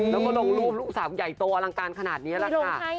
แล้วก็ลงรูปลูกสาวใหญ่โตอลังการขนาดนี้แหละค่ะ